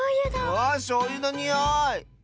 わあしょうゆのにおい！